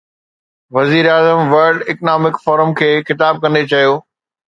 وزيراعظم world economic forum کي خطاب ڪندي چيو